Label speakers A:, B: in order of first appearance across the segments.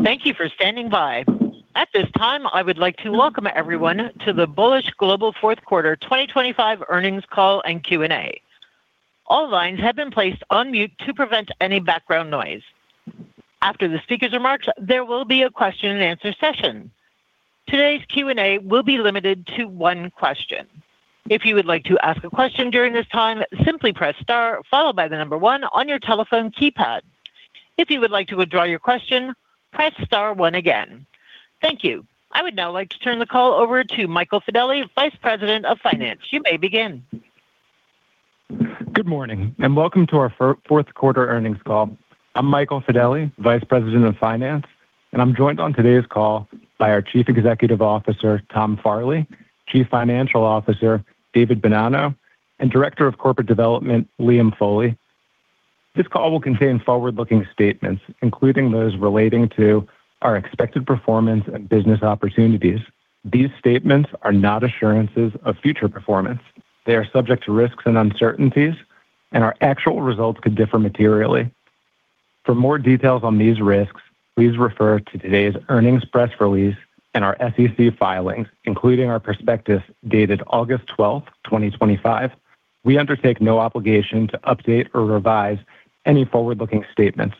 A: Thank you for standing by. At this time, I would like to welcome everyone to the Bullish Global Fourth Quarter 2025 Earnings Call and Q&A. All lines have been placed on mute to prevent any background noise. After the speakers' remarks, there will be a question-and-answer session. Today's Q&A will be limited to one question. If you would like to ask a question during this time, simply press star followed by the number one on your telephone keypad. If you would like to withdraw your question, press star one again. Thank you. I would now like to turn the call over to Michael Fedele, Vice President of Finance. You may begin.
B: Good morning and welcome to our fourth quarter earnings call. I'm Michael Fedele, Vice President of Finance, and I'm joined on today's call by our Chief Executive Officer Tom Farley, Chief Financial Officer David Bonanno, and Director of Corporate Development Liam Foley. This call will contain forward-looking statements, including those relating to our expected performance and business opportunities. These statements are not assurances of future performance. They are subject to risks and uncertainties, and our actual results could differ materially. For more details on these risks, please refer to today's earnings press release and our SEC filings, including our prospectus dated August 12, 2025. We undertake no obligation to update or revise any forward-looking statements.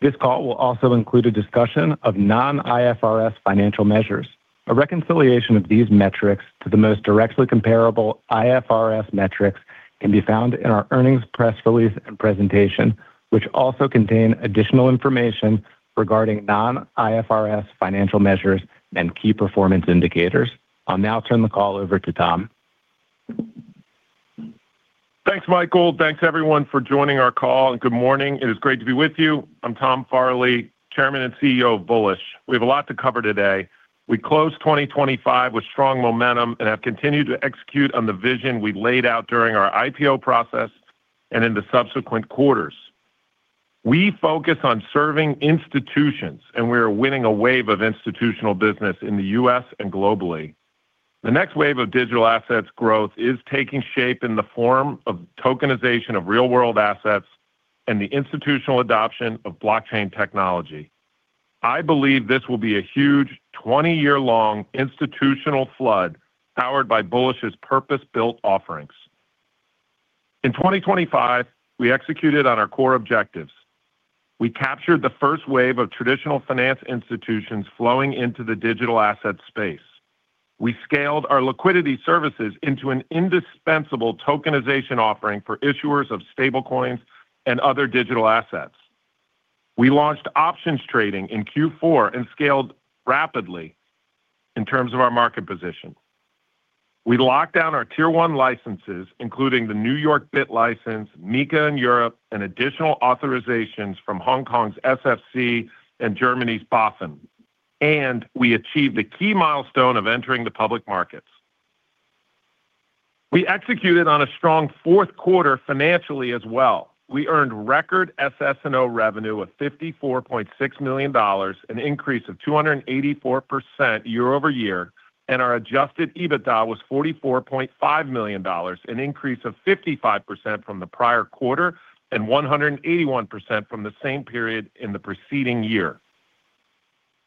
B: This call will also include a discussion of non-IFRS financial measures. A reconciliation of these metrics to the most directly comparable IFRS metrics can be found in our earnings press release and presentation, which also contain additional information regarding non-IFRS financial measures and key performance indicators. I'll now turn the call over to Tom.
C: Thanks, Michael. Thanks, everyone, for joining our call, and good morning. It is great to be with you. I'm Tom Farley, Chairman and CEO of Bullish. We have a lot to cover today. We closed 2025 with strong momentum and have continued to execute on the vision we laid out during our IPO process and in the subsequent quarters. We focus on serving institutions, and we are winning a wave of institutional business in the U.S. and globally. The next wave of digital assets growth is taking shape in the form of tokenization of real-world assets and the institutional adoption of blockchain technology. I believe this will be a huge 20-year-long institutional flood powered by Bullish's purpose-built offerings. In 2025, we executed on our core objectives. We captured the first wave of traditional finance institutions flowing into the digital assets space. We scaled our liquidity services into an indispensable tokenization offering for issuers of stablecoins and other digital assets. We launched options trading in Q4 and scaled rapidly in terms of our market position. We locked down our Tier 1 licenses, including the New York BitLicense, MiCA in Europe, and additional authorizations from Hong Kong's SFC and Germany's BaFin, and we achieved a key milestone of entering the public markets. We executed on a strong fourth quarter financially as well. We earned record SS&O revenue of $54.6 million, an increase of 284% year-over-year, and our Adjusted EBITDA was $44.5 million, an increase of 55% quarter-over-quarter and 181% year-over-year.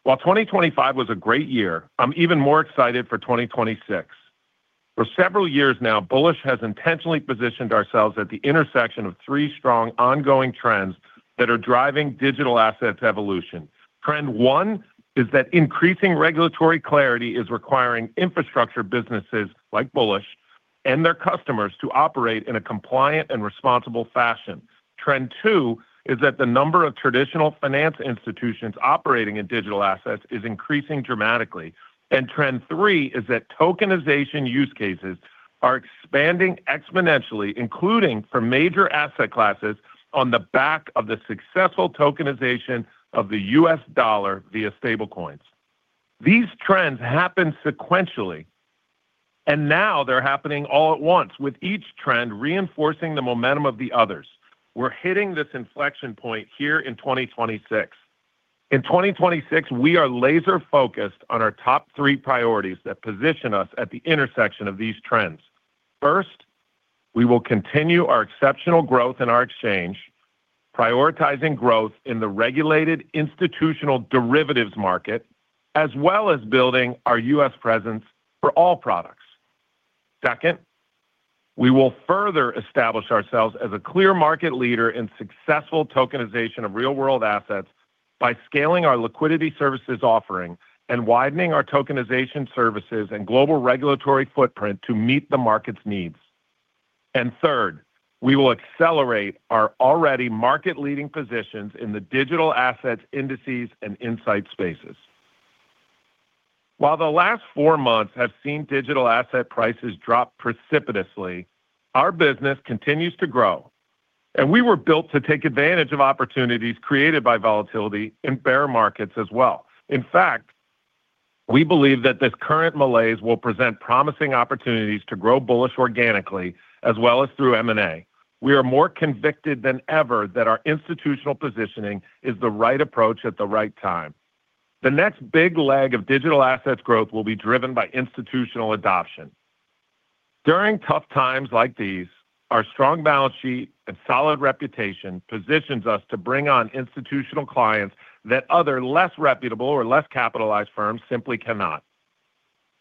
C: While 2025 was a great year, I'm even more excited for 2026. For several years now, Bullish has intentionally positioned ourselves at the intersection of three strong ongoing trends that are driving digital assets evolution. Trend 1 is that increasing regulatory clarity is requiring infrastructure businesses like Bullish and their customers to operate in a compliant and responsible fashion. Trend 2 is that the number of traditional finance institutions operating in digital assets is increasing dramatically. And Trend 3 is that tokenization use cases are expanding exponentially, including for major asset classes, on the back of the successful tokenization of the U.S. dollar via stablecoins. These trends happen sequentially, and now they're happening all at once, with each trend reinforcing the momentum of the others. We're hitting this inflection point here in 2026. In 2026, we are laser-focused on our top three priorities that position us at the intersection of these trends. First, we will continue our exceptional growth in our exchange, prioritizing growth in the regulated institutional derivatives market as well as building our U.S. presence for all products. Second, we will further establish ourselves as a clear market leader in successful tokenization of real-world assets by scaling our liquidity services offering and widening our tokenization services and global regulatory footprint to meet the market's needs. Third, we will accelerate our already market-leading positions in the digital assets indices and insights spaces. While the last four months have seen digital asset prices drop precipitously, our business continues to grow. We were built to take advantage of opportunities created by volatility in bear markets as well. In fact, we believe that this current malaise will present promising opportunities to grow Bullish organically as well as through M&A. We are more convicted than ever that our institutional positioning is the right approach at the right time. The next big leg of digital assets growth will be driven by institutional adoption. During tough times like these, our strong balance sheet and solid reputation positions us to bring on institutional clients that other less reputable or less capitalized firms simply cannot.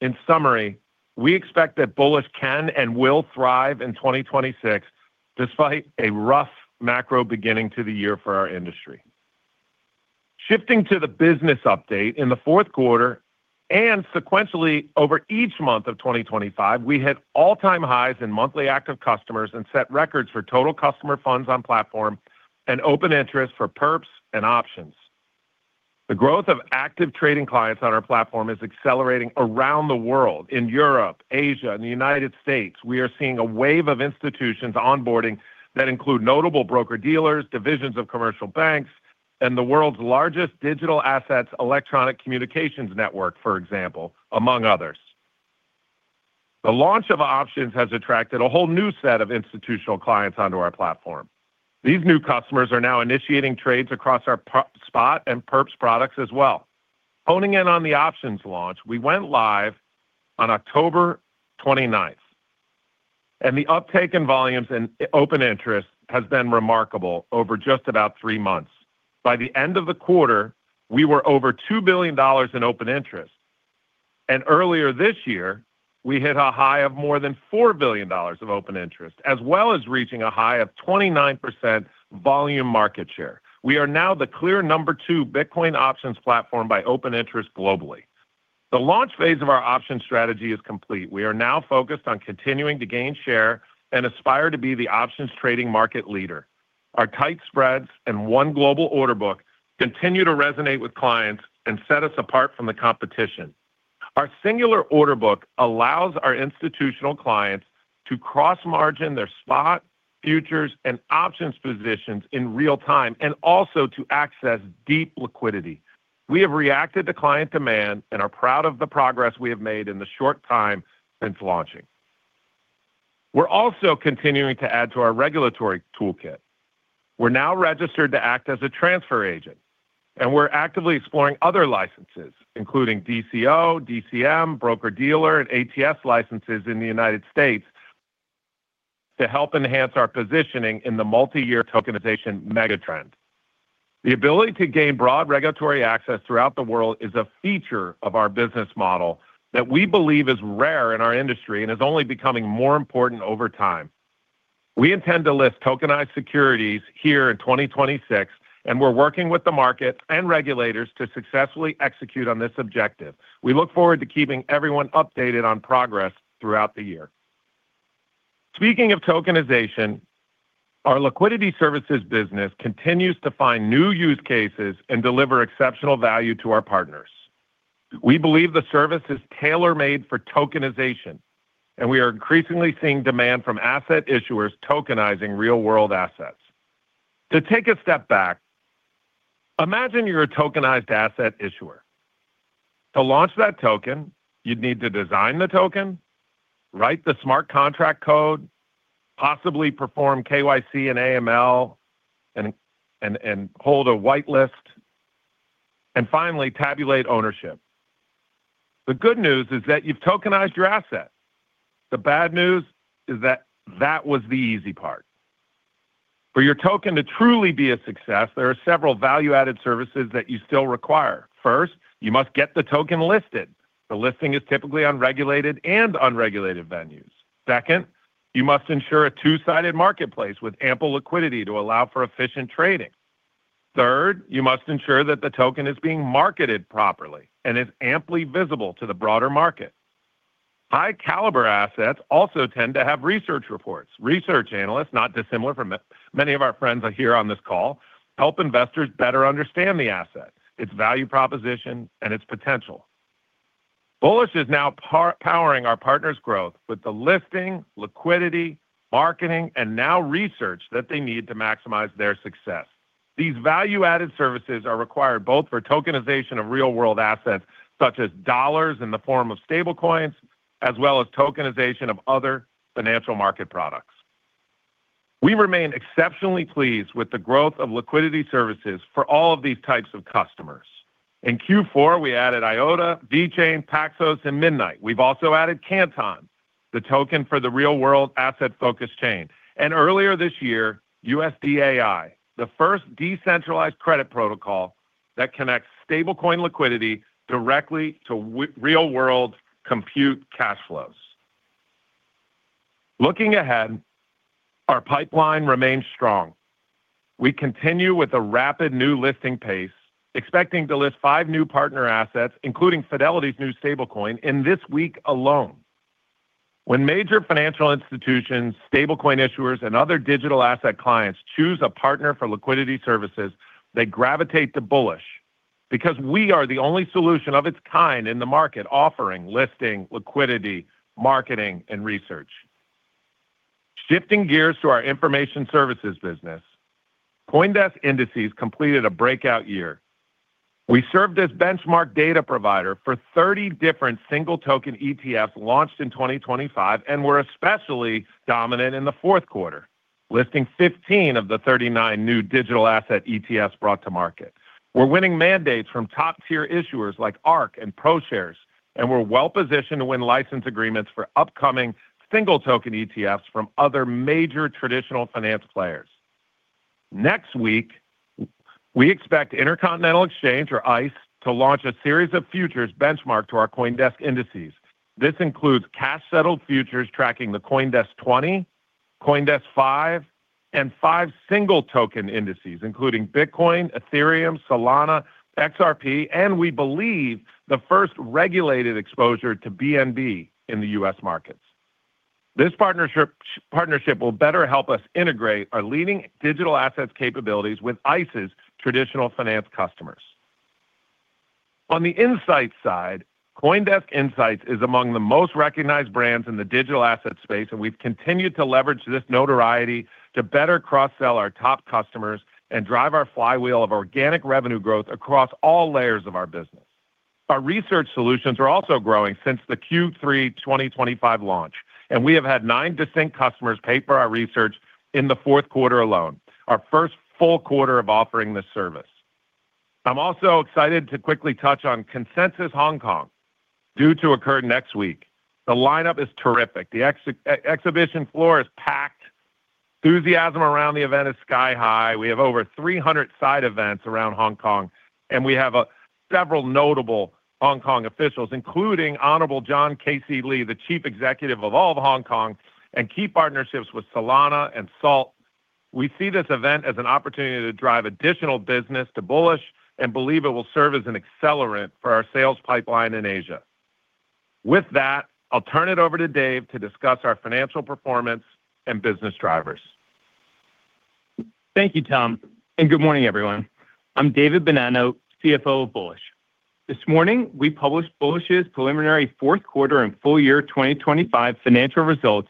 C: In summary, we expect that Bullish can and will thrive in 2026 despite a rough macro beginning to the year for our industry. Shifting to the business update, in the fourth quarter and sequentially over each month of 2025, we hit all-time highs in monthly active customers and set records for total customer funds on platform and open interest for perps and options. The growth of active trading clients on our platform is accelerating around the world. In Europe, Asia, and the United States, we are seeing a wave of institutions onboarding that include notable broker-dealers, divisions of commercial banks, and the world's largest digital assets electronic communications network, for example, among others. The launch of options has attracted a whole new set of institutional clients onto our platform. These new customers are now initiating trades across our perp spot and perps products as well. Honing in on the options launch, we went live on October 29, and the uptake in volumes and open interest has been remarkable over just about three months. By the end of the quarter, we were over $2 billion in open interest, and earlier this year, we hit a high of more than $4 billion of open interest as well as reaching a high of 29% volume market share. We are now the clear number two Bitcoin options platform by open interest globally. The launch phase of our options strategy is complete. We are now focused on continuing to gain share and aspire to be the options trading market leader. Our tight spreads and one global order book continue to resonate with clients and set us apart from the competition. Our singular order book allows our institutional clients to cross-margin their spot, futures, and options positions in real time and also to access deep liquidity. We have reacted to client demand and are proud of the progress we have made in the short time since launching. We're also continuing to add to our regulatory toolkit. We're now registered to act as a transfer agent, and we're actively exploring other licenses, including DCO, DCM, broker-dealer, and ATS licenses in the United States to help enhance our positioning in the multi-year tokenization megatrend. The ability to gain broad regulatory access throughout the world is a feature of our business model that we believe is rare in our industry and is only becoming more important over time. We intend to list tokenized securities here in 2026, and we're working with the market and regulators to successfully execute on this objective. We look forward to keeping everyone updated on progress throughout the year. Speaking of tokenization, our liquidity services business continues to find new use cases and deliver exceptional value to our partners. We believe the service is tailor-made for tokenization, and we are increasingly seeing demand from asset issuers tokenizing real-world assets. To take a step back, imagine you're a tokenized asset issuer. To launch that token, you'd need to design the token, write the smart contract code, possibly perform KYC and AML, and hold a whitelist, and finally tabulate ownership. The good news is that you've tokenized your asset. The bad news is that that was the easy part. For your token to truly be a success, there are several value-added services that you still require. First, you must get the token listed. The listing is typically on regulated and unregulated venues. Second, you must ensure a two-sided marketplace with ample liquidity to allow for efficient trading. Third, you must ensure that the token is being marketed properly and is amply visible to the broader market. High-caliber assets also tend to have research reports. Research analysts, not dissimilar from many of our friends here on this call, help investors better understand the asset, its value proposition, and its potential. Bullish is now powering our partners' growth with the listing, liquidity, marketing, and now research that they need to maximize their success. These value-added services are required both for tokenization of real-world assets such as dollars in the form of stablecoins as well as tokenization of other financial market products. We remain exceptionally pleased with the growth of liquidity services for all of these types of customers. In Q4, we added IOTA, VeChain, Paxos, and Midnight. We've also added Canton, the token for the real-world asset-focused chain, and earlier this year, USD.AI, the first decentralized credit protocol that connects stablecoin liquidity directly to real-world compute cash flows. Looking ahead, our pipeline remains strong. We continue with a rapid new listing pace, expecting to list five new partner assets, including Fidelity's new stablecoin, in this week alone. When major financial institutions, stablecoin issuers, and other digital asset clients choose a partner for liquidity services, they gravitate to Bullish because we are the only solution of its kind in the market offering, listing, liquidity, marketing, and research. Shifting gears to our information services business, CoinDesk Indices completed a breakout year. We served as benchmark data provider for 30 different single-token ETFs launched in 2025 and were especially dominant in the fourth quarter, listing 15 of the 39 new digital asset ETFs brought to market. We're winning mandates from top-tier issuers like ARK and ProShares, and we're well-positioned to win license agreements for upcoming single-token ETFs from other major traditional finance players. Next week, we expect Intercontinental Exchange, or ICE, to launch a series of futures benchmarked to our CoinDesk Indices. This includes cash-settled futures tracking the CoinDesk 20, CoinDesk 5, and five single-token indices, including Bitcoin, Ethereum, Solana, XRP, and we believe the first regulated exposure to BNB in the U.S. markets. This partnership will better help us integrate our leading digital assets capabilities with ICE's traditional finance customers. On the insights side, CoinDesk Insights is among the most recognized brands in the digital assets space, and we've continued to leverage this notoriety to better cross-sell our top customers and drive our flywheel of organic revenue growth across all layers of our business. Our research solutions are also growing since the Q3 2025 launch, and we have had nine distinct customers pay for our research in the fourth quarter alone, our first full quarter of offering this service. I'm also excited to quickly touch on Consensus Hong Kong due to occur next week. The lineup is terrific. The exhibition floor is packed. Enthusiasm around the event is sky-high. We have over 300 side events around Hong Kong, and we have several notable Hong Kong officials, including Honorable John KC Lee, the Chief Executive of all of Hong Kong, and key partnerships with Solana and SALT. We see this event as an opportunity to drive additional business to Bullish and believe it will serve as an accelerant for our sales pipeline in Asia. With that, I'll turn it over to Dave to discuss our financial performance and business drivers.
D: Thank you, Tom, and good morning, everyone. I'm David Bonanno, CFO of Bullish. This morning, we published Bullish's preliminary fourth quarter and full year 2025 financial results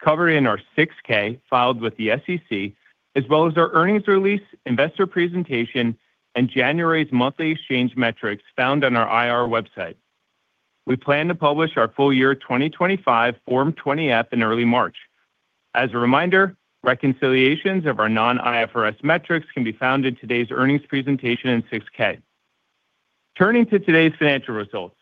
D: covering our 6K filed with the SEC as well as our earnings release, investor presentation, and January's monthly exchange metrics found on our IR website. We plan to publish our full year 2025 Form 20F in early March. As a reminder, reconciliations of our non-IFRS metrics can be found in today's earnings presentation and 6K. Turning to today's financial results,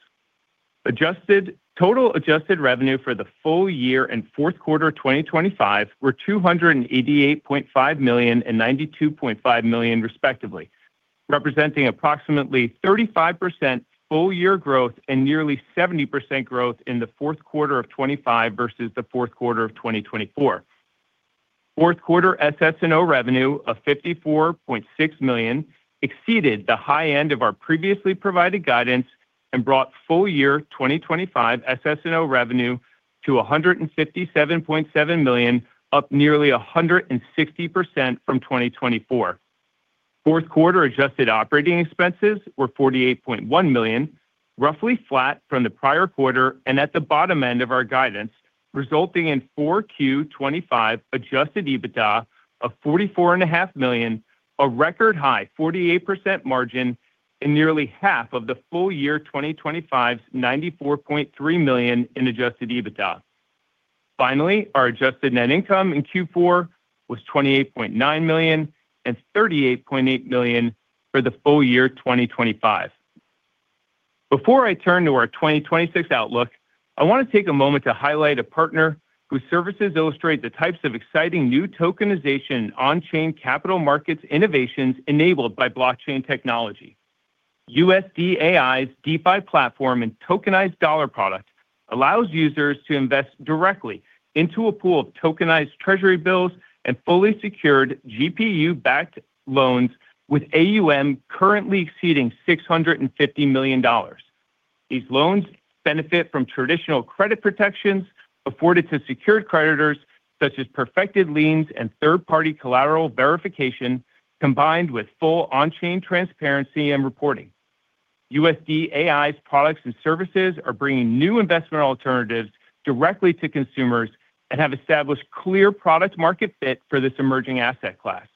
D: total adjusted revenue for the full year and fourth quarter 2025 were $288.5 million and $92.5 million, respectively, representing approximately 35% full year growth and nearly 70% growth in the fourth quarter of 2025 versus the fourth quarter of 2024. Fourth quarter SS&O revenue of $54.6 million exceeded the high end of our previously provided guidance and brought full year 2025 SS&O revenue to $157.7 million, up nearly 160% from 2024. Fourth quarter adjusted operating expenses were $48.1 million, roughly flat from the prior quarter and at the bottom end of our guidance, resulting in 4Q25 adjusted EBITDA of $44.5 million, a record high 48% margin, and nearly half of the full year 2025's $94.3 million in adjusted EBITDA. Finally, our adjusted net income in Q4 was $28.9 million and $38.8 million for the full year 2025. Before I turn to our 2026 outlook, I want to take a moment to highlight a partner whose services illustrate the types of exciting new tokenization and on-chain capital markets innovations enabled by blockchain technology. USD.AI's DeFi platform and tokenized dollar product allows users to invest directly into a pool of tokenized treasury bills and fully secured GPU-backed loans with AUM currently exceeding $650 million. These loans benefit from traditional credit protections afforded to secured creditors such as perfected liens and third-party collateral verification combined with full on-chain transparency and reporting. USD.AI's products and services are bringing new investment alternatives directly to consumers and have established clear product-market fit for this emerging asset class.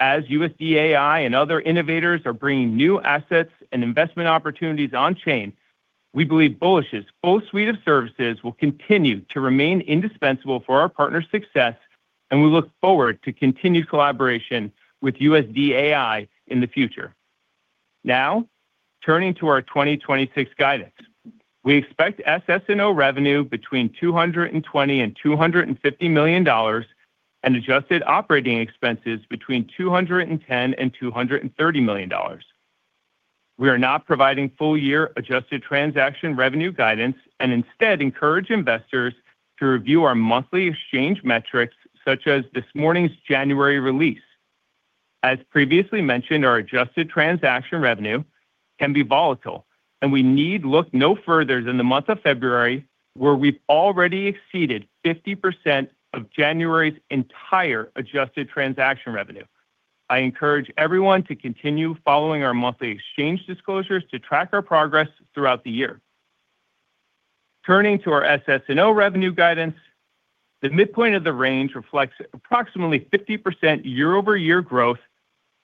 D: As USD.AI and other innovators are bringing new assets and investment opportunities on-chain, we believe Bullish's full suite of services will continue to remain indispensable for our partner's success, and we look forward to continued collaboration with USD.AI in the future. Now, turning to our 2026 guidance, we expect SS&O revenue between $220 million-$250 million and adjusted operating expenses between $210 million-$230 million. We are not providing full year adjusted transaction revenue guidance and instead encourage investors to review our monthly exchange metrics such as this morning's January release. As previously mentioned, our adjusted transaction revenue can be volatile, and we need to look no further than the month of February where we've already exceeded 50% of January's entire adjusted transaction revenue. I encourage everyone to continue following our monthly exchange disclosures to track our progress throughout the year. Turning to our SS&O revenue guidance, the midpoint of the range reflects approximately 50% year-over-year growth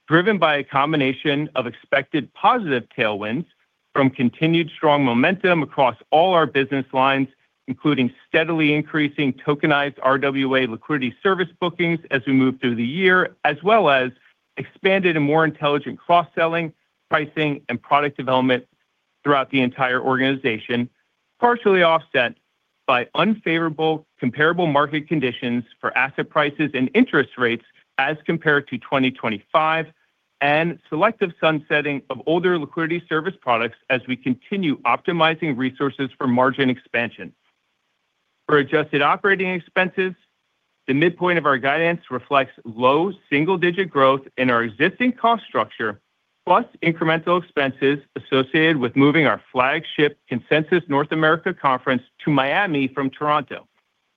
D: driven by a combination of expected positive tailwinds from continued strong momentum across all our business lines, including steadily increasing tokenized RWA liquidity service bookings as we move through the year, as well as expanded and more intelligent cross-selling, pricing, and product development throughout the entire organization, partially offset by unfavorable comparable market conditions for asset prices and interest rates as compared to 2025, and selective sunsetting of older liquidity service products as we continue optimizing resources for margin expansion. For adjusted operating expenses, the midpoint of our guidance reflects low single-digit growth in our existing cost structure plus incremental expenses associated with moving our flagship Consensus North America conference to Miami from Toronto,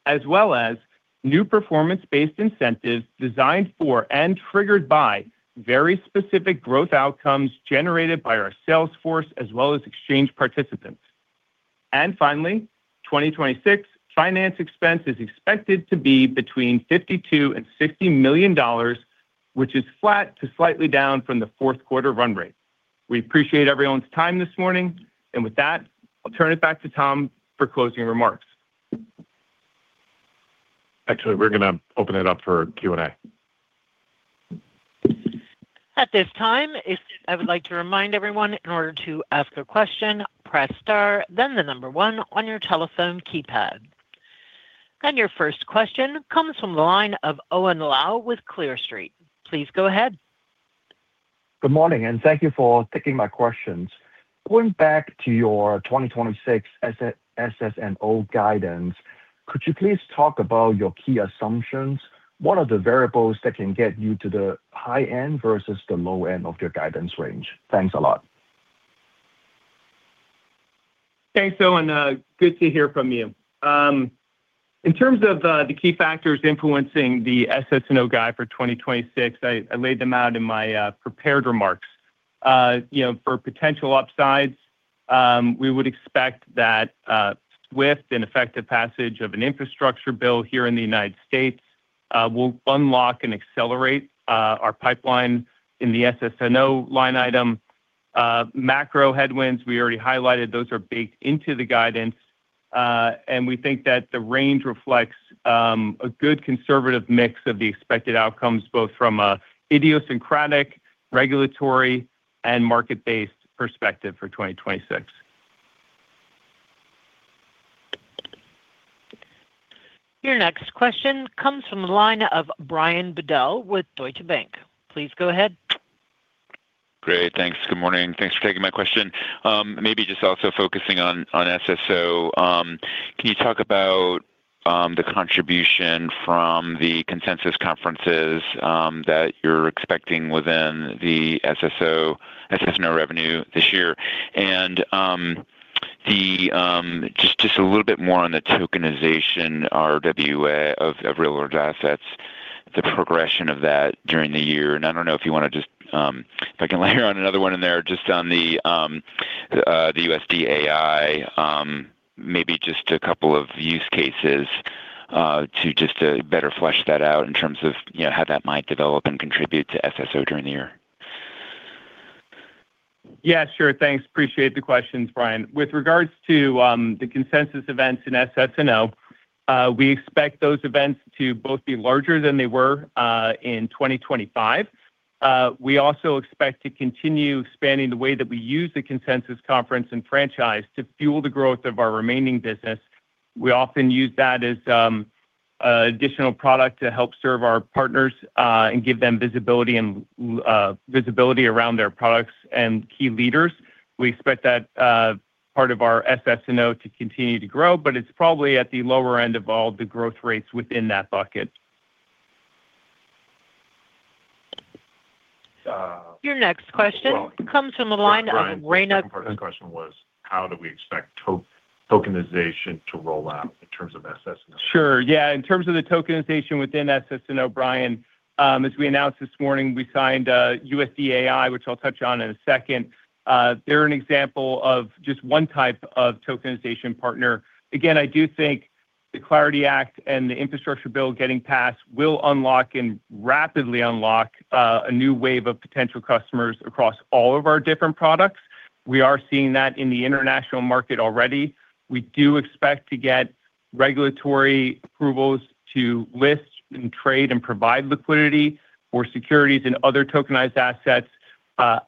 D: as well as new performance-based incentives designed for and triggered by very specific growth outcomes generated by our sales force as well as exchange participants. Finally, 2026 finance expense is expected to be between $52 million-$60 million, which is flat to slightly down from the fourth quarter run rate. We appreciate everyone's time this morning, and with that, I'll turn it back to Tom for closing remarks.
C: Actually, we're going to open it up for Q&A.
A: At this time, I would like to remind everyone, in order to ask a question, press star, then the number one on your telephone keypad. Your first question comes from the line of Owen Lau with Clear Street. Please go ahead.
E: Good morning, and thank you for taking my questions. Going back to your 2026 SS&O guidance, could you please talk about your key assumptions? What are the variables that can get you to the high end versus the low end of your guidance range? Thanks a lot.
D: Thanks, Owen, good to hear from you. In terms of the key factors influencing the SS&O guide for 2026, I laid them out in my prepared remarks. For potential upsides, we would expect that swift and effective passage of an infrastructure bill here in the United States will unlock and accelerate our pipeline in the SS&O line item. Macro headwinds, we already highlighted, those are baked into the guidance, and we think that the range reflects a good conservative mix of the expected outcomes both from an idiosyncratic regulatory and market-based perspective for 2026.
A: Your next question comes from the line of Brian Bedell with Deutsche Bank. Please go ahead.
F: Great, thanks. Good morning. Thanks for taking my question. Maybe just also focusing on SS&O, can you talk about the contribution from the Consensus conferences that you're expecting within the SS&O revenue this year? And just a little bit more on the tokenization, RWA, of real-world assets, the progression of that during the year. And I don't know if you want to just if I can layer on another one in there just on the USD.AI, maybe just a couple of use cases to just better flesh that out in terms of how that might develop and contribute to SS&O during the year.
D: Yeah, sure, thanks. Appreciate the questions, Brian. With regards to the Consensus events in SS&O, we expect those events to both be larger than they were in 2025. We also expect to continue expanding the way that we use the Consensus conference and franchise to fuel the growth of our remaining business. We often use that as an additional product to help serve our partners and give them visibility around their products and key leaders. We expect that part of our SS&O to continue to grow, but it's probably at the lower end of all the growth rates within that bucket.
A: Your next question comes from the line of Rayna.
F: My question was, how do we expect tokenization to roll out in terms of SS&O?
D: Sure. Yeah, in terms of the tokenization within SS&O, Brian, as we announced this morning, we signed USD.AI, which I'll touch on in a second. They're an example of just one type of tokenization partner. Again, I do think the Clarity Act and the infrastructure bill getting passed will unlock and rapidly unlock a new wave of potential customers across all of our different products. We are seeing that in the international market already. We do expect to get regulatory approvals to list and trade and provide liquidity for securities and other tokenized assets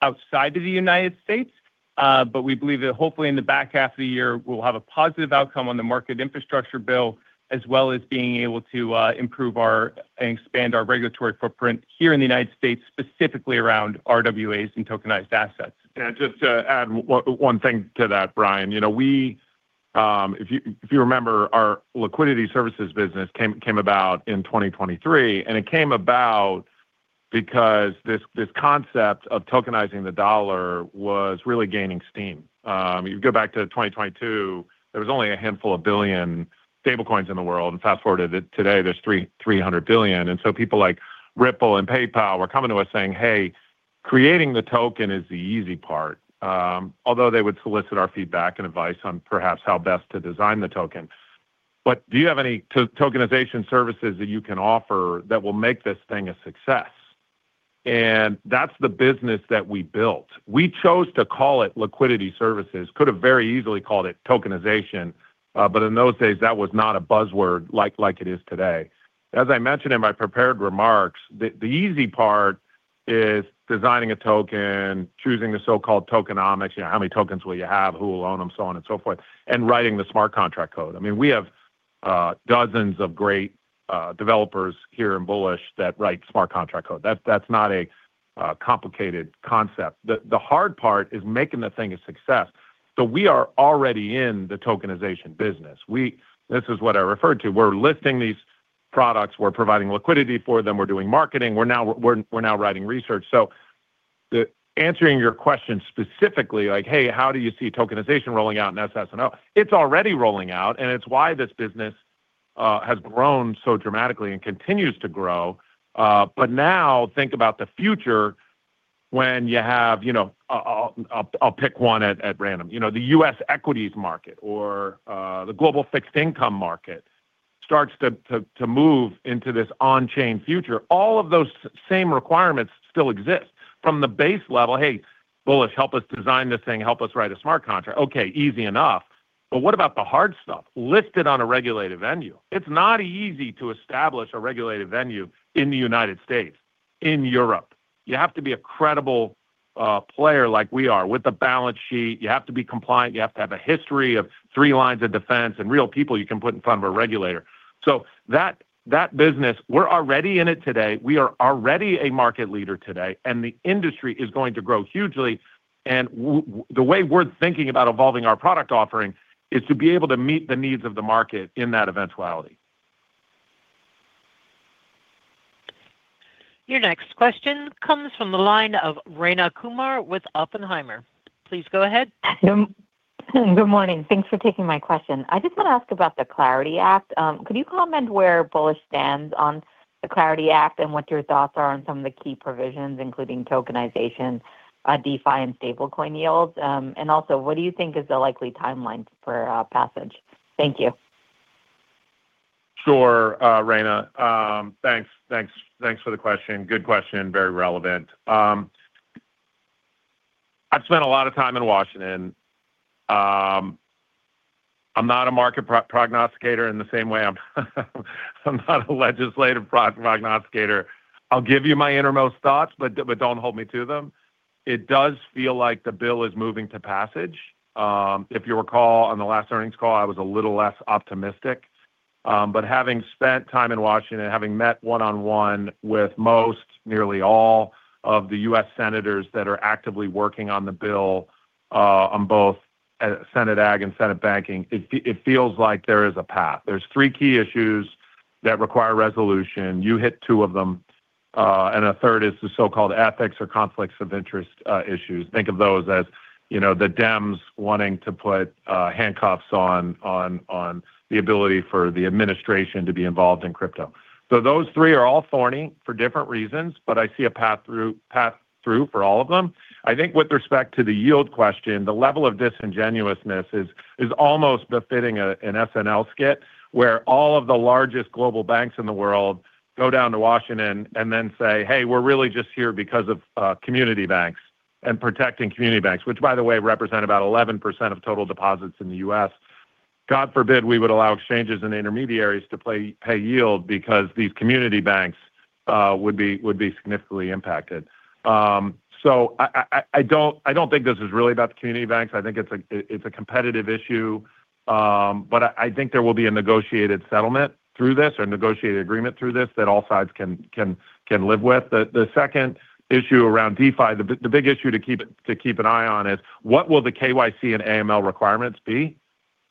D: outside of the United States, but we believe that hopefully in the back half of the year, we'll have a positive outcome on the market infrastructure bill as well as being able to improve and expand our regulatory footprint here in the United States, specifically around RWAs and tokenized assets.
C: Yeah, just to add one thing to that, Brian. If you remember, our liquidity services business came about in 2023, and it came about because this concept of tokenizing the dollar was really gaining steam. If you go back to 2022, there was only a handful of billion stablecoins in the world, and fast forward to today, there's $300 billion. And so people like Ripple and PayPal were coming to us saying, "Hey, creating the token is the easy part," although they would solicit our feedback and advice on perhaps how best to design the token. But do you have any tokenization services that you can offer that will make this thing a success? And that's the business that we built. We chose to call it liquidity services, could have very easily called it tokenization, but in those days, that was not a buzzword like it is today. As I mentioned in my prepared remarks, the easy part is designing a token, choosing the so-called tokenomics, how many tokens will you have, who will own them, so on and so forth, and writing the smart contract code. I mean, we have dozens of great developers here in Bullish that write smart contract code. That's not a complicated concept. The hard part is making the thing a success. So we are already in the tokenization business. This is what I referred to. We're listing these products. We're providing liquidity for them. We're doing marketing. We're now writing research. So answering your question specifically, like, "Hey, how do you see tokenization rolling out in SS&O?" It's already rolling out, and it's why this business has grown so dramatically and continues to grow. But now think about the future when you have, I'll pick one at random. The U.S. equities market or the global fixed income market starts to move into this on-chain future. All of those same requirements still exist from the base level. "Hey, Bullish, help us design this thing. Help us write a smart contract." Okay, easy enough. But what about the hard stuff listed on a regulated venue? It's not easy to establish a regulated venue in the United States, in Europe. You have to be a credible player like we are with a balance sheet. You have to be compliant. You have to have a history of three lines of defense and real people you can put in front of a regulator. So that business, we're already in it today. We are already a market leader today, and the industry is going to grow hugely. The way we're thinking about evolving our product offering is to be able to meet the needs of the market in that eventuality.
A: Your next question comes from the line of Rayna Kumar with Oppenheimer. Please go ahead.
G: Good morning. Thanks for taking my question. I just want to ask about the Clarity Act. Could you comment where Bullish stands on the Clarity Act and what your thoughts are on some of the key provisions, including tokenization, DeFi, and stablecoin yields? And also, what do you think is the likely timeline for passage? Thank you.
C: Sure, Rayna. Thanks for the question. Good question, very relevant. I've spent a lot of time in Washington. I'm not a market prognosticator in the same way I'm not a legislative prognosticator. I'll give you my innermost thoughts, but don't hold me to them. It does feel like the bill is moving to passage. If you recall, on the last earnings call, I was a little less optimistic. But having spent time in Washington, having met one-on-one with most, nearly all of the U.S. senators that are actively working on the bill on both Senate Ag and Senate Banking, it feels like there is a path. There's three key issues that require resolution. You hit two of them, and a third is the so-called ethics or conflicts of interest issues. Think of those as the Dems wanting to put handcuffs on the ability for the administration to be involved in crypto. So those three are all thorny for different reasons, but I see a path through for all of them. I think with respect to the yield question, the level of disingenuousness is almost befitting an SNL skit where all of the largest global banks in the world go down to Washington and then say, "Hey, we're really just here because of community banks and protecting community banks," which, by the way, represent about 11% of total deposits in the U.S. God forbid we would allow exchanges and intermediaries to pay yield because these community banks would be significantly impacted. So I don't think this is really about the community banks. I think it's a competitive issue, but I think there will be a negotiated settlement through this or negotiated agreement through this that all sides can live with. The second issue around DeFi, the big issue to keep an eye on is what will the KYC and AML requirements be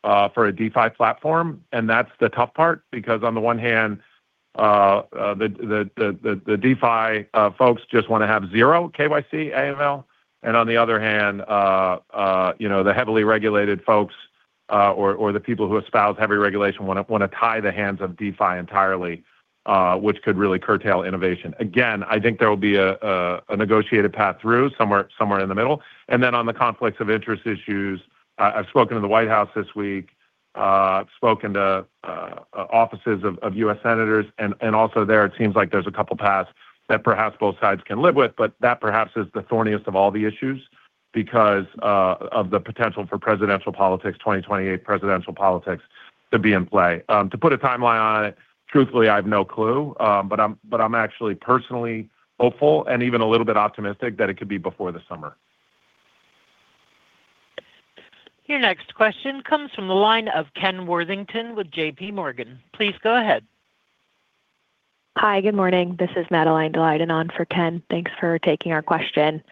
C: for a DeFi platform? And that's the tough part because on the one hand, the DeFi folks just want to have zero KYC, AML, and on the other hand, the heavily regulated folks or the people who espouse heavy regulation want to tie the hands of DeFi entirely, which could really curtail innovation. Again, I think there will be a negotiated path through somewhere in the middle. And then on the conflicts of interest issues, I've spoken to the White House this week. I've spoken to offices of U.S. senators, and also there, it seems like there's a couple of paths that perhaps both sides can live with, but that perhaps is the thorniest of all the issues because of the potential for presidential politics, 2028 presidential politics, to be in play. To put a timeline on it, truthfully, I have no clue, but I'm actually personally hopeful and even a little bit optimistic that it could be before the summer.
A: Your next question comes from the line of Ken Worthington with JPMorgan. Please go ahead.
H: Hi, good morning. This is Madeline Daleiden for Ken. Thanks for taking our question.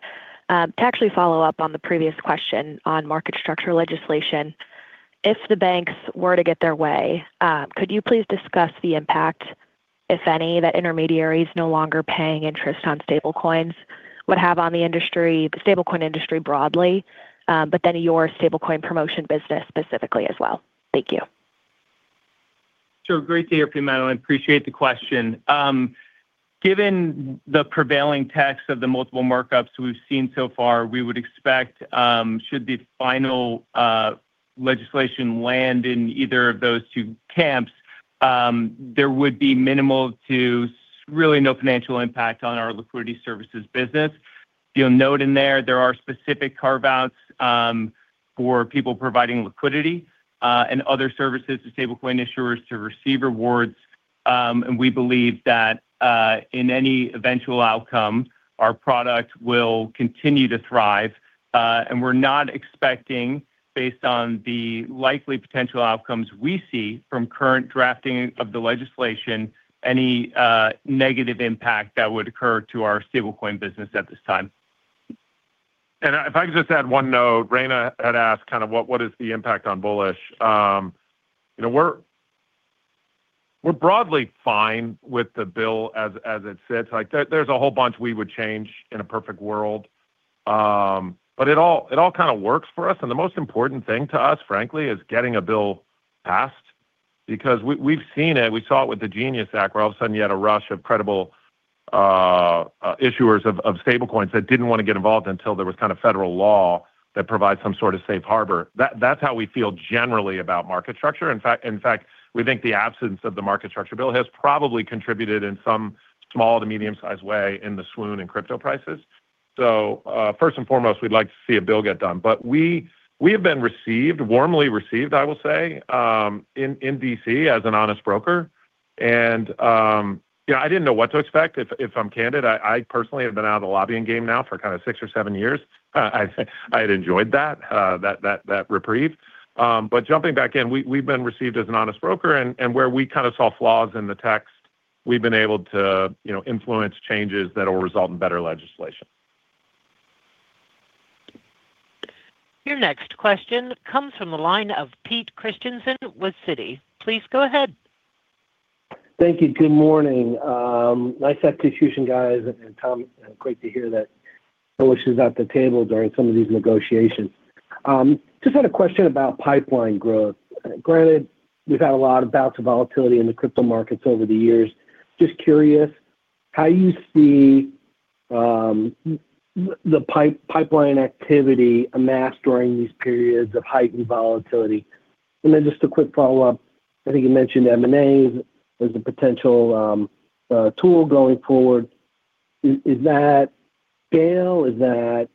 H: To actually follow up on the previous question on market structure legislation, if the banks were to get their way, could you please discuss the impact, if any, that intermediaries no longer paying interest on stablecoins would have on the stablecoin industry broadly, but then your stablecoin promotion business specifically as well? Thank you.
D: Sure. Great to hear from you, Madeline. Appreciate the question. Given the prevailing texts of the multiple markups we've seen so far, we would expect, should the final legislation land in either of those two camps, there would be minimal to really no financial impact on our liquidity services business. You'll note in there, there are specific carve-outs for people providing liquidity and other services to stablecoin issuers to receive rewards. And we believe that in any eventual outcome, our product will continue to thrive. And we're not expecting, based on the likely potential outcomes we see from current drafting of the legislation, any negative impact that would occur to our stablecoin business at this time.
C: If I could just add one note, Rayna had asked kind of what is the impact on Bullish. We're broadly fine with the bill as it sits. There's a whole bunch we would change in a perfect world, but it all kind of works for us. And the most important thing to us, frankly, is getting a bill passed because we've seen it. We saw it with the Clarity Act where all of a sudden, you had a rush of credible issuers of stablecoins that didn't want to get involved until there was kind of federal law that provides some sort of safe harbor. That's how we feel generally about market structure. In fact, we think the absence of the market structure bill has probably contributed in some small to medium-sized way in the swoon in crypto prices. So first and foremost, we'd like to see a bill get done. But we have been received, warmly received, I will say, in D.C. as an honest broker. And I didn't know what to expect. If I'm candid, I personally have been out of the lobbying game now for kind of six or seven years. I had enjoyed that reprieve. But jumping back in, we've been received as an honest broker, and where we kind of saw flaws in the text, we've been able to influence changes that will result in better legislation.
A: Your next question comes from the line of Pete Christiansen with Citi. Please go ahead.
I: Thank you. Good morning. Nice to have two fusion guys, and Tom, great to hear that Bullish is at the table during some of these negotiations. Just had a question about pipeline growth. Granted, we've had a lot of bouts of volatility in the crypto markets over the years. Just curious, how do you see the pipeline activity amassed during these periods of heightened volatility? And then just a quick follow-up. I think you mentioned M&A as a potential tool going forward. Is that scale? Is that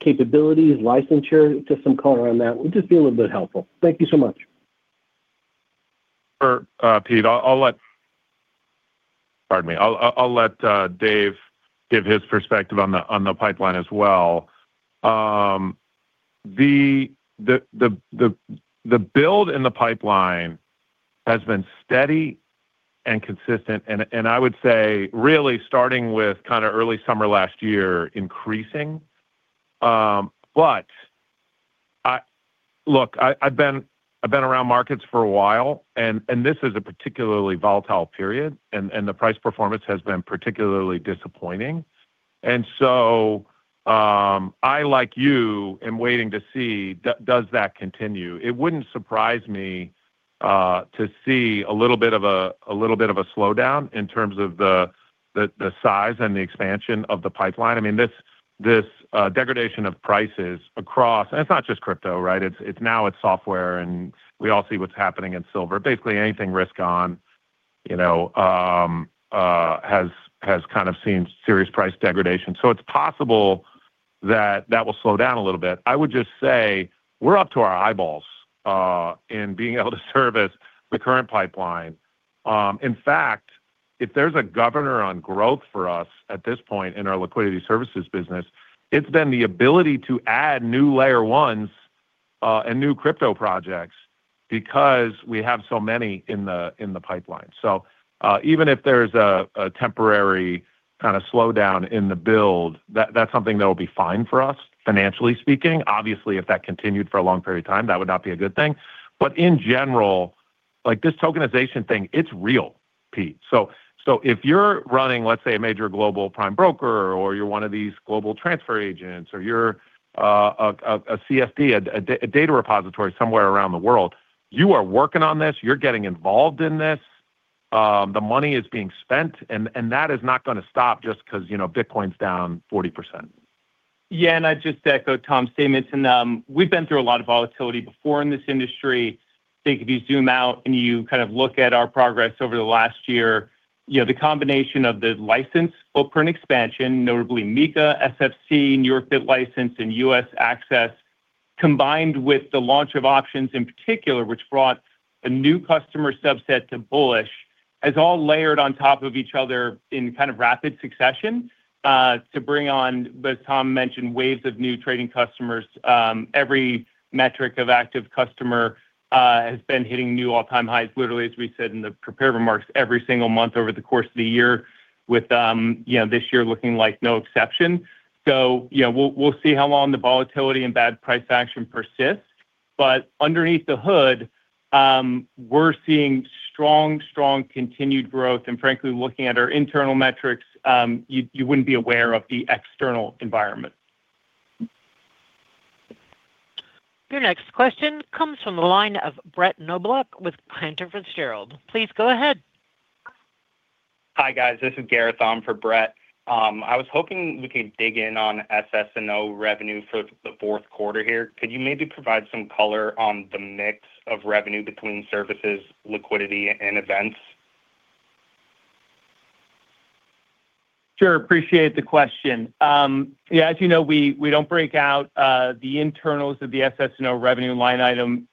I: capabilities, licensure, just some color on that? Would just be a little bit helpful. Thank you so much.
C: Sure, Pete. Pardon me. I'll let Dave give his perspective on the pipeline as well. The build in the pipeline has been steady and consistent, and I would say really starting with kind of early summer last year, increasing. But look, I've been around markets for a while, and this is a particularly volatile period, and the price performance has been particularly disappointing. And so I, like you, am waiting to see, does that continue? It wouldn't surprise me to see a little bit of a slowdown in terms of the size and the expansion of the pipeline. I mean, this degradation of prices across, and it's not just crypto, right? Now it's software, and we all see what's happening in silver. Basically, anything risk-on has kind of seen serious price degradation. So it's possible that that will slow down a little bit. I would just say we're up to our eyeballs in being able to service the current pipeline. In fact, if there's a governor on growth for us at this point in our liquidity services business, it's been the ability to add new layer ones and new crypto projects because we have so many in the pipeline. So even if there's a temporary kind of slowdown in the build, that's something that will be fine for us, financially speaking. Obviously, if that continued for a long period of time, that would not be a good thing. But in general, this tokenization thing, it's real, Pete. So if you're running, let's say, a major global prime broker or you're one of these global transfer agents or you're a CSD, a data repository somewhere around the world, you are working on this. You're getting involved in this. The money is being spent, and that is not going to stop just because Bitcoin's down 40%.
D: Yeah. And I'd just echo Tom's statements. And we've been through a lot of volatility before in this industry. I think if you zoom out and you kind of look at our progress over the last year, the combination of the license footprint expansion, notably MiCA, SFC, New York BitLicense, and U.S. access, combined with the launch of options in particular, which brought a new customer subset to Bullish, has all layered on top of each other in kind of rapid succession to bring on, as Tom mentioned, waves of new trading customers. Every metric of active customer has been hitting new all-time highs, literally, as we said in the prepared remarks, every single month over the course of the year, with this year looking like no exception. So we'll see how long the volatility and bad price action persists. Underneath the hood, we're seeing strong, strong continued growth. Frankly, looking at our internal metrics, you wouldn't be aware of the external environment.
A: Your next question comes from the line of Brett Knoblauch with Cantor Fitzgerald. Please go ahead.
J: Hi, guys. This is Gareth on for Brett. I was hoping we could dig in on SS&O revenue for the fourth quarter here. Could you maybe provide some color on the mix of revenue between services, liquidity, and events?
D: Sure. Appreciate the question. Yeah. As you know, we don't break out the internals of the SS&O revenue line item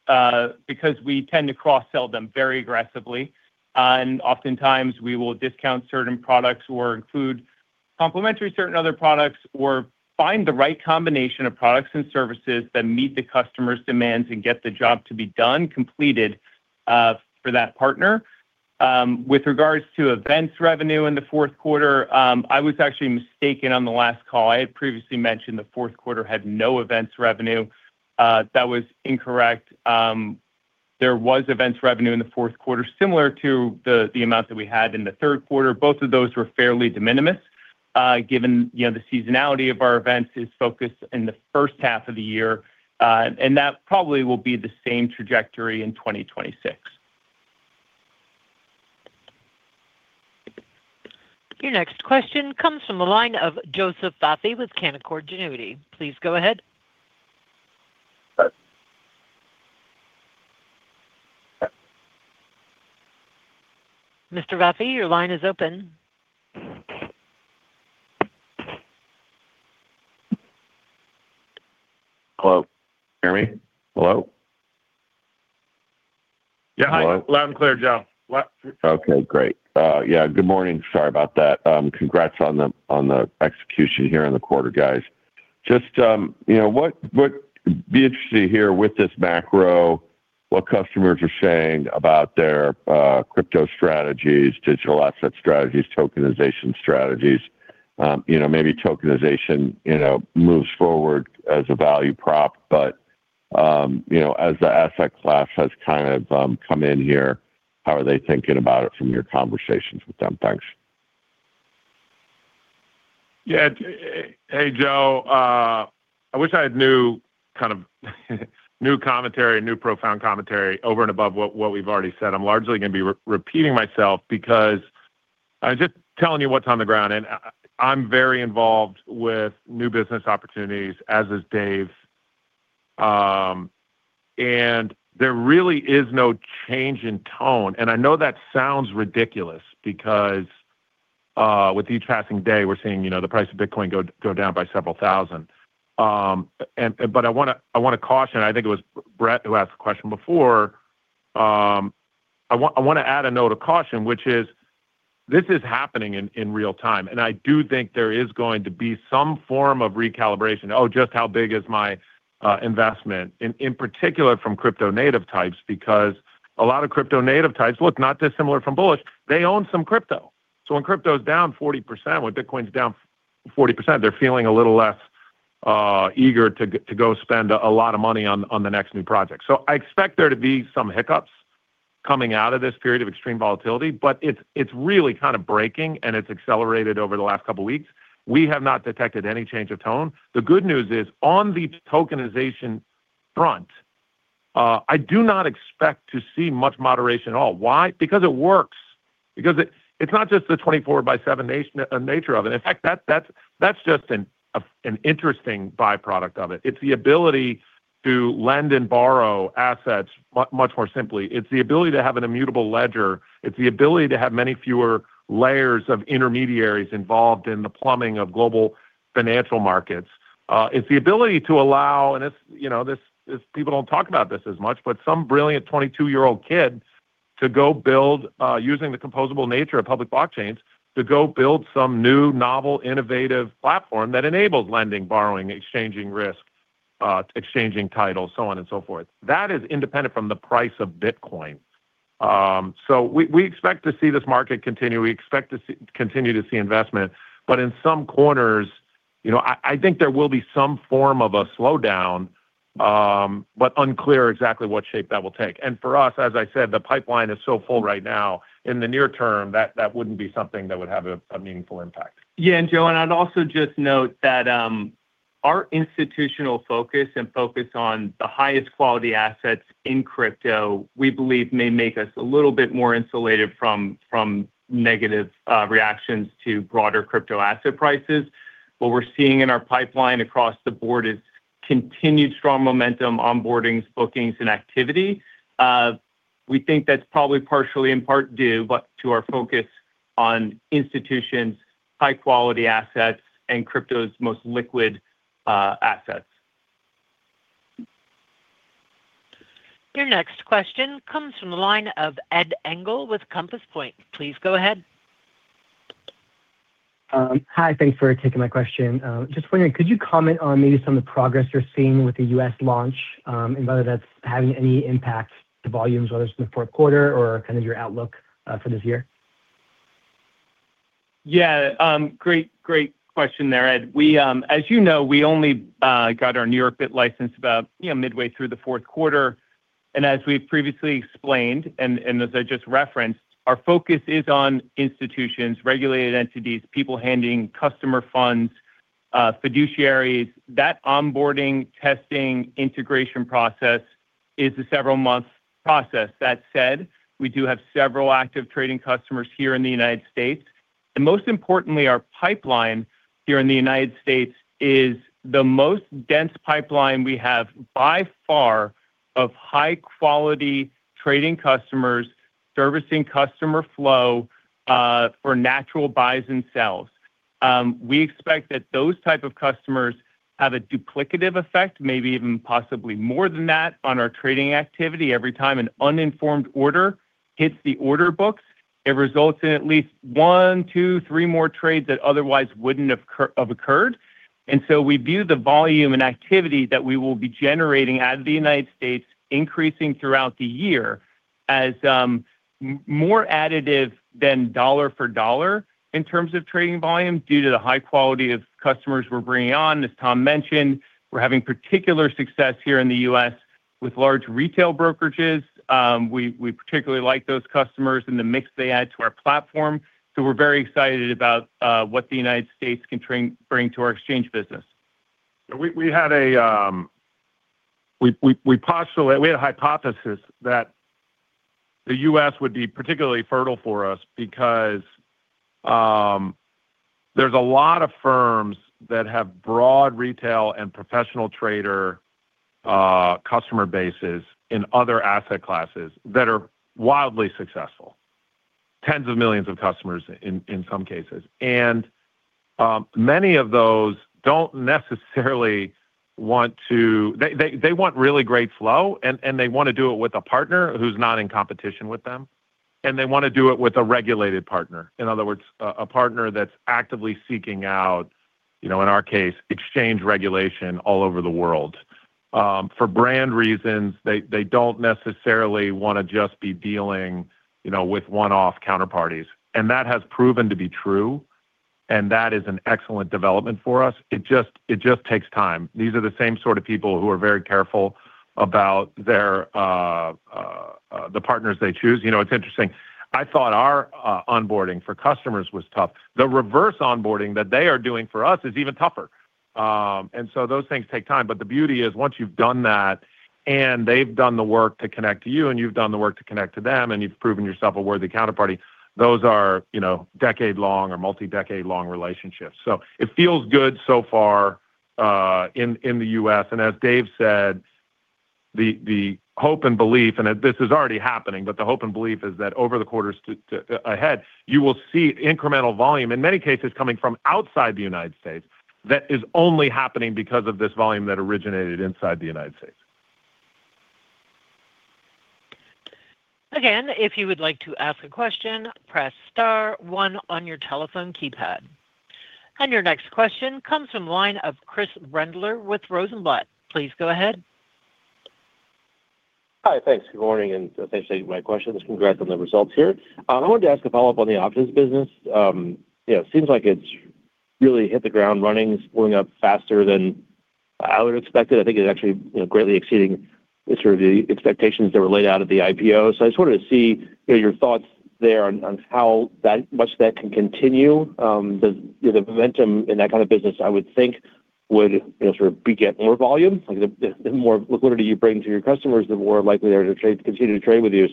D: because we tend to cross-sell them very aggressively. And oftentimes, we will discount certain products or include complementary certain other products or find the right combination of products and services that meet the customer's demands and get the job to be done, completed for that partner. With regards to events revenue in the fourth quarter, I was actually mistaken on the last call. I had previously mentioned the fourth quarter had no events revenue. That was incorrect. There was events revenue in the fourth quarter similar to the amount that we had in the third quarter. Both of those were fairly de minimis, given the seasonality of our events is focused in the first half of the year. And that probably will be the same trajectory in 2026.
A: Your next question comes from the line of Joseph Vafi with Canaccord Genuity. Please go ahead. Mr. Vafi, your line is open.
K: Hello. Can you hear me? Hello?
C: Yeah. Hi. Loud and clear, Joe.
K: Okay. Great. Yeah. Good morning. Sorry about that. Congrats on the execution here in the quarter, guys. Just would be interested to hear with this macro, what customers are saying about their crypto strategies, digital asset strategies, tokenization strategies. Maybe tokenization moves forward as a value prop, but as the asset class has kind of come in here, how are they thinking about it from your conversations with them? Thanks.
C: Yeah. Hey, Joe. I wish I had kind of new commentary, new profound commentary over and above what we've already said. I'm largely going to be repeating myself because I'm just telling you what's on the ground. And I'm very involved with new business opportunities, as is Dave. And there really is no change in tone. And I know that sounds ridiculous because with each passing day, we're seeing the price of Bitcoin go down by several thousand. But I want to caution. I think it was Brett who asked the question before. I want to add a note of caution, which is this is happening in real time. And I do think there is going to be some form of recalibration. Oh, just how big is my investment, in particular from crypto-native types? Because a lot of crypto-native types, look, not dissimilar from Bullish, they own some crypto. So when crypto is down 40%, when Bitcoin is down 40%, they're feeling a little less eager to go spend a lot of money on the next new project. So I expect there to be some hiccups coming out of this period of extreme volatility, but it's really kind of breaking, and it's accelerated over the last couple of weeks. We have not detected any change of tone. The good news is, on the tokenization front, I do not expect to see much moderation at all. Why? Because it works. Because it's not just the 24/7 nature of it. In fact, that's just an interesting byproduct of it. It's the ability to lend and borrow assets much more simply. It's the ability to have an immutable ledger. It's the ability to have many fewer layers of intermediaries involved in the plumbing of global financial markets. It's the ability to allow, and people don't talk about this as much, but some brilliant 22-year-old kid to go build, using the composable nature of public blockchains, to go build some new, novel, innovative platform that enables lending, borrowing, exchanging risk, exchanging titles, so on and so forth. That is independent from the price of Bitcoin. So we expect to see this market continue. We expect to continue to see investment. But in some corners, I think there will be some form of a slowdown, but unclear exactly what shape that will take. And for us, as I said, the pipeline is so full right now in the near term that that wouldn't be something that would have a meaningful impact.
D: Yeah. And, Joe, I'd also just note that our institutional focus and focus on the highest quality assets in crypto, we believe, may make us a little bit more insulated from negative reactions to broader crypto asset prices. What we're seeing in our pipeline across the board is continued strong momentum, onboardings, bookings, and activity. We think that's probably partially in part due to our focus on institutions, high-quality assets, and crypto's most liquid assets.
A: Your next question comes from the line of Ed Engel with Compass Point. Please go ahead.
L: Hi. Thanks for taking my question. Just wondering, could you comment on maybe some of the progress you're seeing with the U.S. launch and whether that's having any impact to volumes, whether it's in the fourth quarter or kind of your outlook for this year?
D: Yeah. Great, great question there, Ed. As you know, we only got our New York BitLicense about midway through the fourth quarter. And as we've previously explained and as I just referenced, our focus is on institutions, regulated entities, people handling customer funds, fiduciaries. That onboarding, testing, integration process is a several-month process. That said, we do have several active trading customers here in the United States. And most importantly, our pipeline here in the United States is the most dense pipeline we have by far of high-quality trading customers, servicing customer flow for natural buys and sells. We expect that those types of customers have a duplicative effect, maybe even possibly more than that, on our trading activity. Every time an uninformed order hits the order books, it results in at least one, two, three more trades that otherwise wouldn't have occurred. And so we view the volume and activity that we will be generating out of the United States, increasing throughout the year, as more additive than dollar for dollar in terms of trading volume due to the high quality of customers we're bringing on. As Tom mentioned, we're having particular success here in the U.S. with large retail brokerages. We particularly like those customers and the mix they add to our platform. So we're very excited about what the United States can bring to our exchange business.
C: We had a hypothesis that the U.S. would be particularly fertile for us because there's a lot of firms that have broad retail and professional trader customer bases in other asset classes that are wildly successful, tens of millions of customers in some cases. Many of those don't necessarily want to they want really great flow, and they want to do it with a partner who's not in competition with them. They want to do it with a regulated partner, in other words, a partner that's actively seeking out, in our case, exchange regulation all over the world. For brand reasons, they don't necessarily want to just be dealing with one-off counterparties. That has proven to be true. That is an excellent development for us. It just takes time. These are the same sort of people who are very careful about the partners they choose. It's interesting. I thought our onboarding for customers was tough. The reverse onboarding that they are doing for us is even tougher. And so those things take time. But the beauty is once you've done that and they've done the work to connect to you and you've done the work to connect to them and you've proven yourself a worthy counterparty, those are decade-long or multi-decade-long relationships. So it feels good so far in the U.S. And as Dave said, the hope and belief and this is already happening, but the hope and belief is that over the quarters ahead, you will see incremental volume, in many cases, coming from outside the United States that is only happening because of this volume that originated inside the United States.
A: Again, if you would like to ask a question, press star one on your telephone keypad. Your next question comes from the line of Chris Brendler with Rosenblatt. Please go ahead.
M: Hi. Thanks. Good morning. Thanks for taking my questions. Congrats on the results here. I wanted to ask a follow-up on the options business. It seems like it's really hit the ground running, pulling up faster than I would have expected. I think it's actually greatly exceeding the sort of expectations that were laid out at the IPO. I just wanted to see your thoughts there on how much that can continue. The momentum in that kind of business, I would think, would sort of beget more volume. The more liquidity you bring to your customers, the more likely they're to continue to trade with you.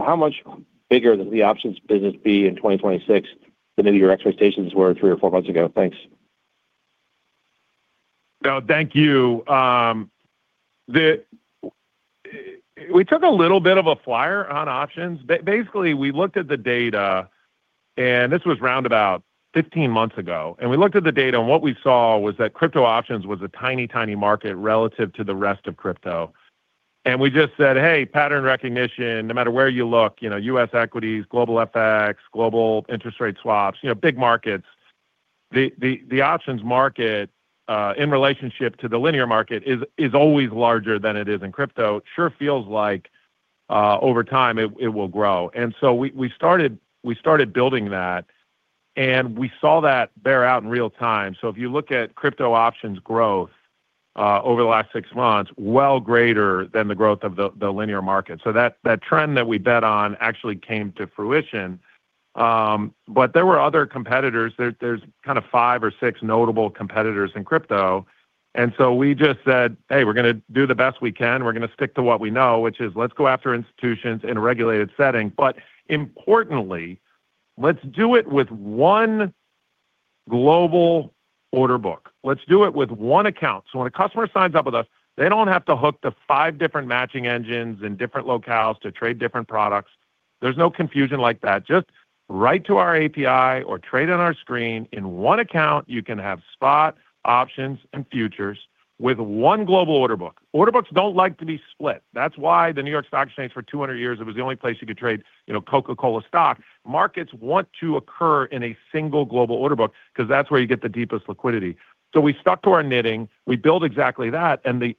M: How much bigger does the options business be in 2026 than maybe your expectations were three or four months ago? Thanks.
C: Joe, thank you. We took a little bit of a flyer on options. Basically, we looked at the data, and this was round about 15 months ago. We looked at the data, and what we saw was that crypto options was a tiny, tiny market relative to the rest of crypto. We just said, "Hey, pattern recognition, no matter where you look, U.S. equities, global FX, global interest rate swaps, big markets, the options market in relationship to the linear market is always larger than it is in crypto. Sure feels like over time, it will grow." So we started building that, and we saw that bear out in real time. If you look at crypto options growth over the last six months, well greater than the growth of the linear market. That trend that we bet on actually came to fruition. But there were other competitors. There's kind of five or six notable competitors in crypto. And so we just said, "Hey, we're going to do the best we can. We're going to stick to what we know," which is, "Let's go after institutions in a regulated setting. But importantly, let's do it with one global order book. Let's do it with one account." So when a customer signs up with us, they don't have to hook to five different matching engines in different locales to trade different products. There's no confusion like that. Just write to our API or trade on our screen. In one account, you can have spot, options, and futures with one global order book. Order books don't like to be split. That's why the New York Stock Exchange for 200 years, it was the only place you could trade Coca-Cola stock. Markets want to occur in a single global order book because that's where you get the deepest liquidity. So we stuck to our knitting. We built exactly that. And the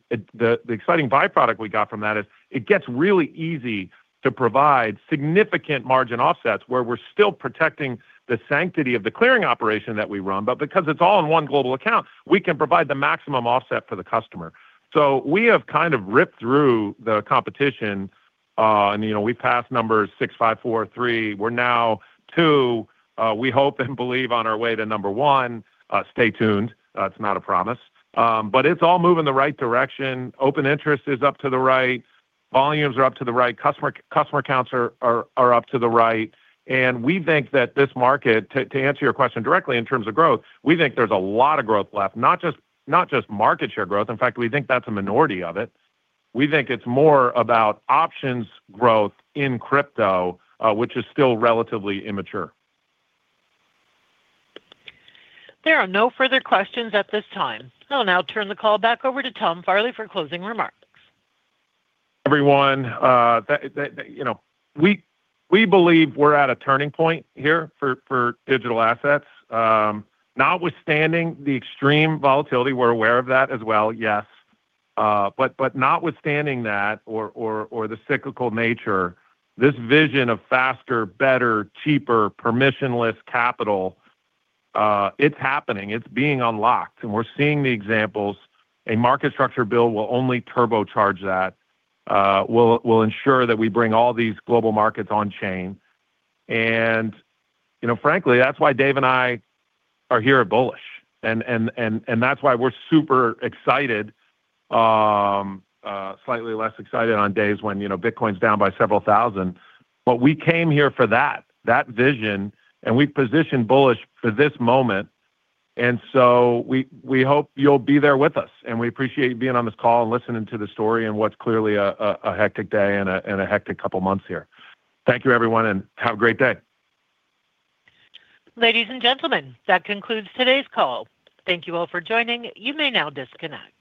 C: exciting byproduct we got from that is it gets really easy to provide significant margin offsets where we're still protecting the sanctity of the clearing operation that we run. But because it's all in one global account, we can provide the maximum offset for the customer. So we have kind of ripped through the competition. And we've passed numbers six, five, four, three. We're now two, we hope and believe, on our way to number one. Stay tuned. It's not a promise. But it's all moving the right direction. Open interest is up to the right. Volumes are up to the right. Customer counts are up to the right. We think that this market, to answer your question directly in terms of growth, we think there's a lot of growth left, not just market share growth. In fact, we think that's a minority of it. We think it's more about options growth in crypto, which is still relatively immature.
A: There are no further questions at this time. I'll now turn the call back over to Tom Farley for closing remarks.
C: Everyone, we believe we're at a turning point here for digital assets, notwithstanding the extreme volatility. We're aware of that as well, yes. But notwithstanding that or the cyclical nature, this vision of faster, better, cheaper, permissionless capital, it's happening. It's being unlocked. And we're seeing the examples. A market structure bill will only turbocharge that, will ensure that we bring all these global markets on-chain. And frankly, that's why Dave and I are here at Bullish. And that's why we're super excited, slightly less excited on days when Bitcoin's down by several thousand. But we came here for that vision, and we've positioned Bullish for this moment. And so we hope you'll be there with us. And we appreciate you being on this call and listening to the story and what's clearly a hectic day and a hectic couple of months here. Thank you, everyone, and have a great day.
A: Ladies and gentlemen, that concludes today's call. Thank you all for joining. You may now disconnect.